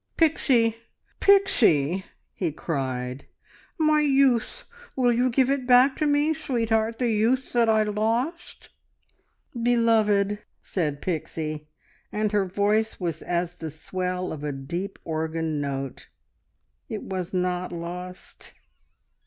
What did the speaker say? "Pixie! Pixie!" he cried. "My youth! ... Will you give it back to me, sweetheart the youth that I lost?" "Beloved!" said Pixie, and her voice was as the swell of a deep organ note. "It was not lost.